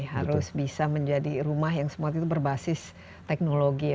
harus bisa menjadi rumah yang semua itu berbasis teknologi ya